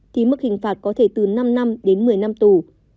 thì mức hình phạt có thể từ năm năm đến một mươi năm tù